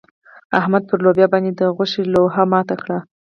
احمد پر لوبيا باندې د غوښې لوهه ماته کړه.